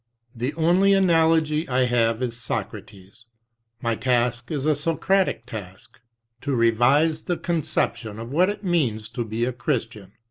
"The only analogy I have is Socrates. My task is a Socratic task — to revise the conception of what it means to be a Christian.